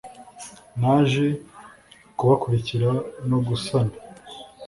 naje kubakurikira no gusana